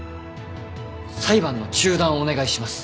裁判の中断をお願いします。